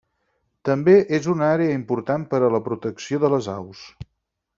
També és una àrea important per a la protecció de les aus.